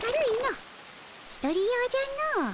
１人用じゃの。